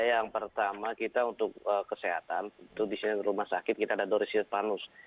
yang pertama kita untuk kesehatan itu di sini rumah sakit kita ada dori sirpanus